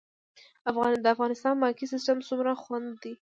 د افغانستان بانکي سیستم څومره خوندي دی؟